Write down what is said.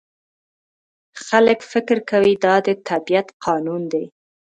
خلک فکر کوي دا د طبیعت قانون دی.